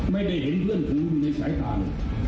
ไม่ได้เห็นเพื่อนผมอยู่ในสายทาง